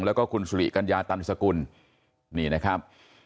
แล้วก็คุณสุริกัญญาตันสกุลนี่นะครับ